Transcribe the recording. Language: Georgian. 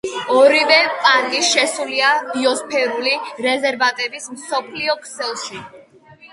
ორივე პარკი შესულია ბიოსფერული რეზერვატების მსოფლიო ქსელში.